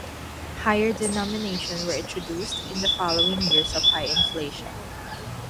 Higher denominations were introduced in the following years of high inflation.